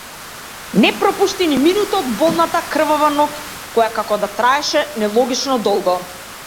Не пропушти ни минута од болната, крвава ноќ која како да траеше нелогично долго.